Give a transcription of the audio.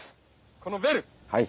このベル。